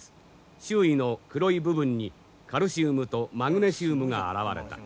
周囲の黒い部分にカルシウムとマグネシウムがあらわれた。